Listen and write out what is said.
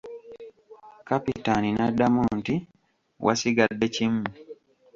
Kapitaani n'addamu nti wasigadde kimu.